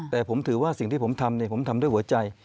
แต่ผมถือว่าสิ่งที่ผมทำผมทำด้วยหัวใจ